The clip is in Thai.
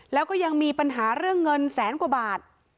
แล้วก็ยังมีปัญหาเรื่องเงินแสนกว่าบาท